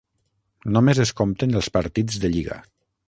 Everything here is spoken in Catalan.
Només es compten els partits de Lliga.